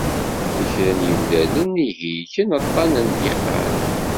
I kra n yimdanen i ihelken aṭṭan n ddiqan.